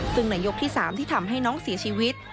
ซึ่งในยกที่๓ที่ทำให้น้องเสียชีวิต